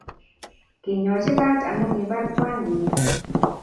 Kinyochi kaat amu kibaar Kwan nenyi